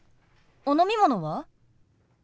お飲み物は？